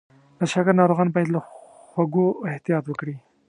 د شکر ناروغان باید له خوږو احتیاط وکړي.